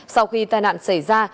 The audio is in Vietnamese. sau khi tai nạn xảy ra